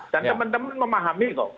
dan teman teman memahami kok